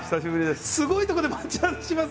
すごいとこで待ち合わせしますね。